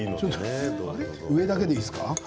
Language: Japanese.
上だけでいいですか？